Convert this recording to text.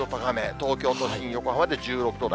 東京都心、横浜で１６度台。